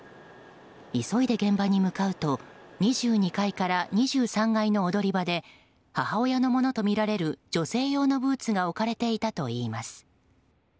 急いで現場に向かうと２２階から２３階の踊り場で母親のものとみられる女性用のブーツが置かれていたといいます。